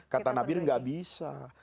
kata nabi hidir gak bisa